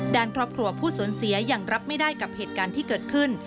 ด้านครอบครัวผู้สูญเสียยังรับไม่ได้กับเหตุการณ์ที่เกิดขึ้น